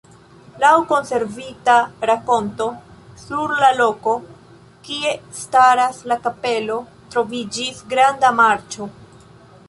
Laŭ konservita rakonto sur la loko, kie staras la kapelo, troviĝis granda marĉo.